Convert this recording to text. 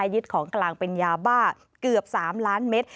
ยึดของกลางเป็นยาบ้าเกือบ๓ล้านเมตร